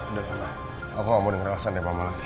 udah lah aku gak mau denger alasan dari mama nanti